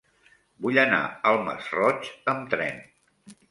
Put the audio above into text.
Vull anar al Masroig amb tren.